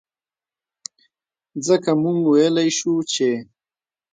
ځکه مونږ وئيلے شو چې